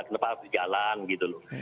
kenapa harus jalan gitu loh